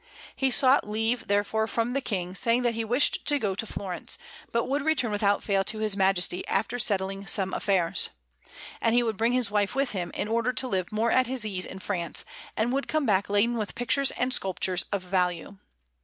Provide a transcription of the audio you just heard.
He sought leave, therefore, from the King, saying that he wished to go to Florence, but would return without fail to his Majesty after settling some affairs; and he would bring his wife with him, in order to live more at his ease in France, and would come back laden with pictures and sculptures of value.